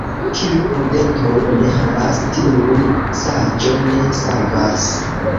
Kiu prudenton ne havas, tiun saĝo ne savas.